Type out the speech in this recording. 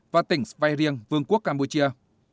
và tỉnh svay riêng vương quốc campuchia